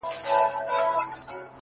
خپلي خبري خو نو نه پرې کوی!!